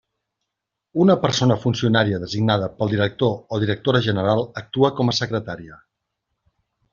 Una persona funcionària designada pel director o directora general actua com a secretària.